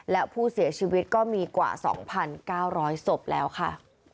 และผู้เสียชีวิตก็มีกว่า๒๙๐๐ศพแล้วค่ะ